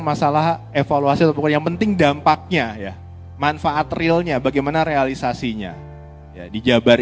masalah evaluasi atau pokoknya yang penting dampaknya ya manfaat realnya bagaimana realisasinya di jabar